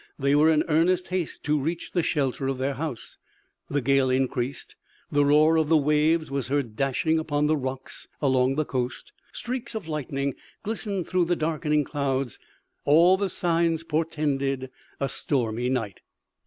They were in earnest haste to reach the shelter of their house: the gale increased; the roar of the waves was heard dashing upon the rocks along the coast; streaks of lightning glistened through the darkening clouds; all the signs portended a stormy night.